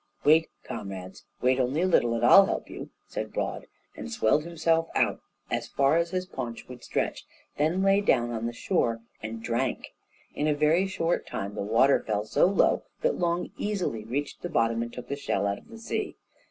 "Wait, comrades! wait only a little and I'll help you," said Broad, and swelled himself out as far as his paunch would stretch; he then lay down on the shore and drank. In a very short time the water fell so low that Long easily reached the bottom and took the shell out of the sea.